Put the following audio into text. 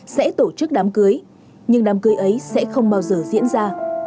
sẽ tổ chức đám cưới nhưng đám cưới ấy sẽ không bao giờ diễn ra